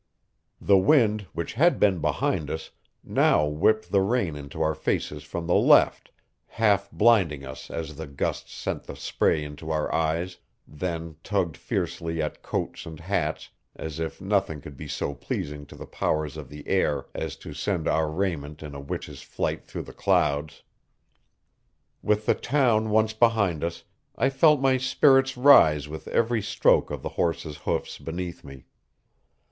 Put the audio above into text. The wind, which had been behind us, now whipped the rain into our faces from the left, half blinding us as the gusts sent the spray into our eyes, then tugged fiercely at coats and hats as if nothing could be so pleasing to the powers of the air as to send our raiment in a witch's flight through the clouds. With the town once behind us, I felt my spirits rise with every stroke of the horse's hoofs beneath me.